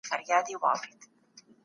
نعمت الله شاکر پروین ملال